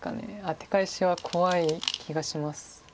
アテ返しは怖い気がします。